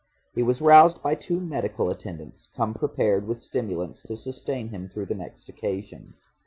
He was roused by two medical attendants, come prepared with stimulants to sustain him through the next occasion.